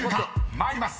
参ります。